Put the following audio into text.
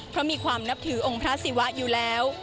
เพราะมีความนับถือองค์พระศิวะอยู่แล้ว